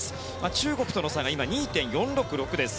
中国との差が今２．４６６です。